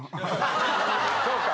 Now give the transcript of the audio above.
そうか。